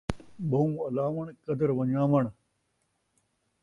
ٻہوں الاوݨ ، قدر ونڄاوݨ